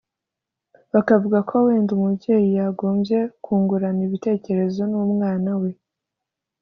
bakavuga ko wenda umubyeyi yagombye kungurana ibitekerezo n’umwana we